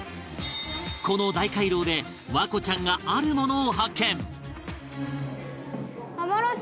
この大回廊で環子ちゃんがあるものを発見